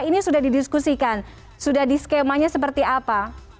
ini sudah didiskusikan sudah di skemanya seperti apa